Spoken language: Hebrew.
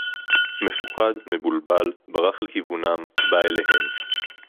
מפחד, מבלבול, ברח לכיוונם, בא אליהם